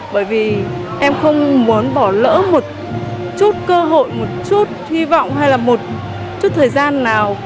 bởi vì em không muốn bỏ lỡ một chút cơ hội một chút hy vọng hay là một chút thời gian nào